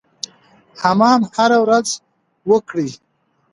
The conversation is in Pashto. حمام هره ورځ وکړئ.